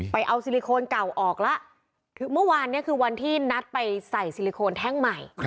เอาซิลิโคนเก่าออกแล้วคือเมื่อวานนี้คือวันที่นัดไปใส่ซิลิโคนแท่งใหม่